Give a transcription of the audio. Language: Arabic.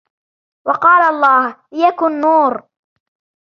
وقال الله: ليكن نور!